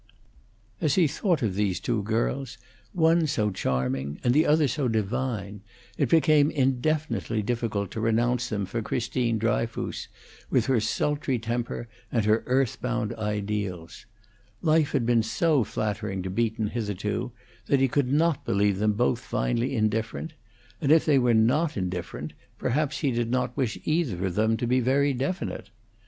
As he thought of these two girls, one so charming and the other so divine, it became indefinitely difficult to renounce them for Christine Dryfoos, with her sultry temper and her earthbound ideals. Life had been so flattering to Beaton hitherto that he could not believe them both finally indifferent; and if they were not indifferent, perhaps he did not wish either of them to be very definite.